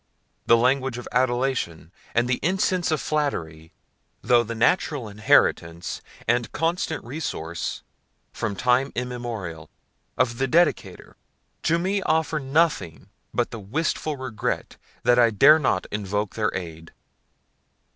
The language of adulation, and the incense of flattery, though the natural inheritance, and constant resource, from time immemorial, of the Dedicator, to me offer nothing but the wistful regret that I dare not invoke their aid.